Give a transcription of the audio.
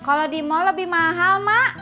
kalau di mall lebih mahal mak